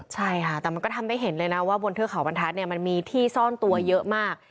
ใช่ค่ะแต่มันก็ทำให้เห็นเลยนะว่าบนเทือกเขาบรรทัศน์มันมีที่ซ่อนตัวเยอะมาก